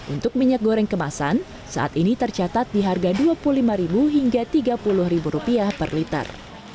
untuk minyak goreng kemasan saat ini tercatat di harga rp dua puluh lima hingga rp tiga puluh per liter